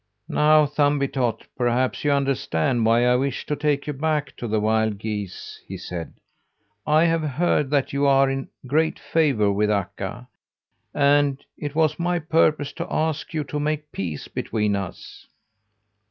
"Now, Thumbietot, perhaps you understand why I wish to take you back to the wild geese," he said. "I have heard that you are in great favour with Akka, and it was my purpose to ask you to make peace between us."